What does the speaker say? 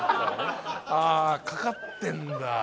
あかかってんだ。